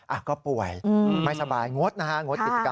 อะก็ป่วยไม่สบายงดนั้นฮะ